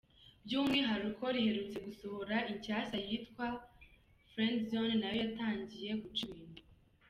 By’umwihariko riherutse gusohora inshyashya yitwa ‘Friendzone’ nayo yatangiye guca ibintu.